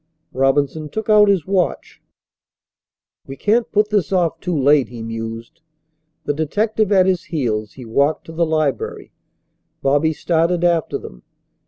Robinson took out his watch. "We can't put this off too late," he mused. The detective at his heels, he walked to the library. Bobby started after them.